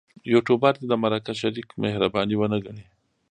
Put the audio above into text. یوټوبر دې د مرکه شریک مهرباني ونه ګڼي.